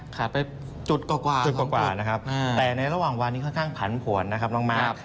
ขาดไปจุดกว่านะครับแต่ในระหว่างวานนี้ค่อนข้างผันผวนนะครับลงมาก